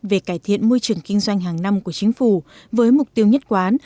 về cải thiện môi trường kinh doanh hàng năm của chính phủ với mục tiêu nhất quán